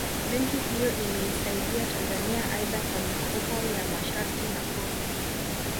Benki hiyo imeisaidia Tanzania aidha kwa mikopo ya masharti nafuu